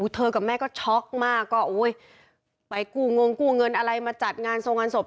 เธอกับแม่ก็ช็อกมากก็อุ้ยไปกูเงินอะไรมาจัดงานส่งงานสบ